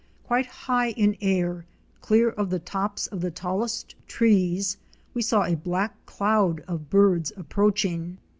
Quite high in air, clear of the tops of the tallest trees we saw a black cloud of birds approaching.